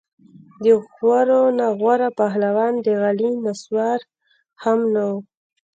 د غورو نه غوره پهلوان د علي نسوار هم نه وو.